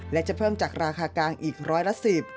และจะเพิ่มจากราคากลางอีกร้อยละสิบ